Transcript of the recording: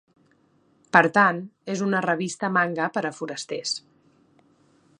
Per tant, és "una revista manga per a forasters".